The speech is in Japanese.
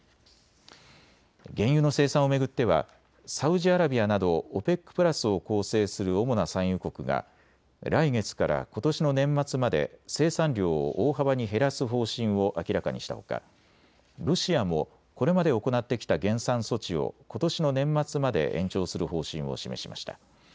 原油の生産を巡ってはサウジアラビアなどＯＰＥＣプラスを構成する主な産油国が来月からことしの年末まで生産量を大幅に減らす方針を明らかにしたほかロシアもこれまで行ってきた減産措置をことしの年末まで延長する方針を示しました。